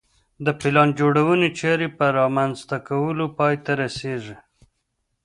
د پلان جوړونې چارې په رامنځته کولو پای ته رسېږي.